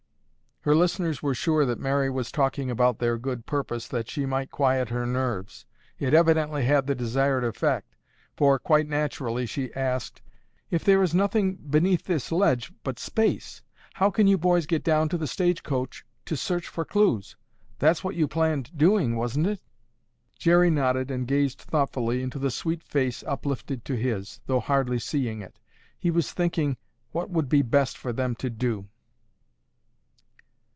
Her listeners were sure that Mary was talking about their good purpose that she might quiet her nerves. It evidently had the desired effect, for, quite naturally, she asked, "If there is nothing beneath this ledge but space, how can you boys get down to the stage coach to search for clues? That's what you planned doing, wasn't it?" Jerry nodded and gazed thoughtfully into the sweet face uplifted to his, though hardly seeing it. He was thinking what would be best for them to do.